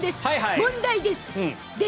問題です。